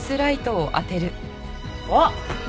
あっ！